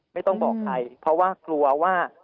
ไม่ต้องบอกใครเพราะว่ากลัวว่า